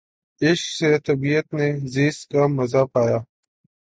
عشق سے طبیعت نے زیست کا مزا پایا